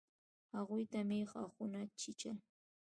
هغوى ته مې غاښونه چيچل.